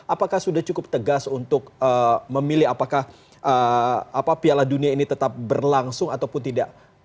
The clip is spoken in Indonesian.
apakah sudah cukup tegas untuk memilih apakah piala dunia ini tetap berlangsung ataupun tidak